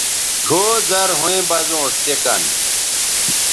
ڙھؤ زرھویں بزونݜ تے کن